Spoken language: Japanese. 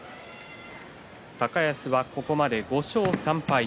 高安は、ここまで５勝３敗。